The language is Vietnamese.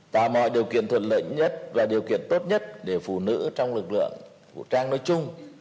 tạo mọi điều kiện thuận lợi nhất và điều kiện tốt nhất để phụ nữ trong lực lượng vũ trang nói chung